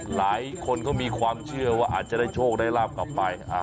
หลายคนเขามีความเชื่อว่าอาจจะได้โชคได้ลาบกลับไป